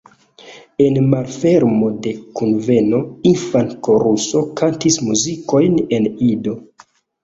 En malfermo de kunveno, infan-koruso kantis muzikojn en Ido.